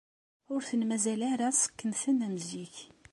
Ur ten-mazal ara ṣekken-ten am zik.